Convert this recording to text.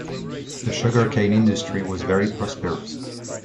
The sugar cane industry was very prosperous.